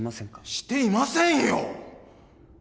していませんよ！